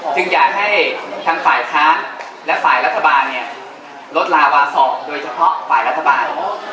จึงอยากให้ทางฝ่ายค้านและฝ่ายรัฐบาลเนี่ยลดลาวาสอกโดยเฉพาะฝ่ายรัฐบาล